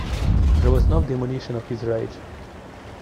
There was no diminution of his rage.